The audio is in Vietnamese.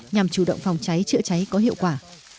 nhằm chủ động phòng cháy chữa cháy có hiệu quả